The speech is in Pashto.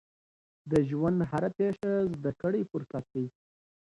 د ژوند هره پیښه زده کړې فرصت دی.